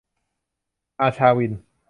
อาชา-วิน !